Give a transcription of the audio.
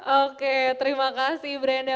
oke terima kasih brenda